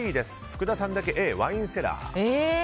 福田さんだけＡ、ワインセラー。